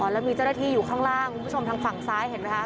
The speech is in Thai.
แล้วมีเจ้าหน้าที่อยู่ข้างล่างคุณผู้ชมทางฝั่งซ้ายเห็นไหมคะ